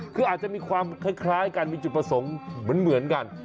คืออาจจะมีความคล้ายกันมีจุดประสงค์เหมือนกัน